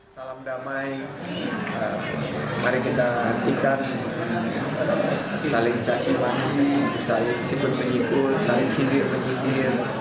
salam damai mari kita hentikan saling caci wangi saling sikut menyikut saling sidik sedir